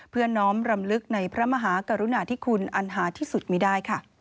เพื่อน้อมรำลึกในพระมหากรุณาธิคุณอันหาที่สุดมีได้ค่ะ